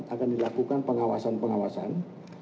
akan dilakukan pengawasan pengawasan